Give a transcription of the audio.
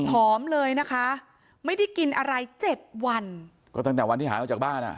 หอมเลยนะคะไม่ได้กินอะไรเจ็ดวันก็ตั้งแต่วันที่หายออกจากบ้านอ่ะ